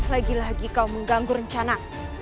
lagi lagi kau mengganggu rencana